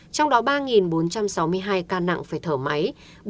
trong đó ba bốn trăm sáu mươi hai ca nặng phải thở máy bốn bốn mươi hai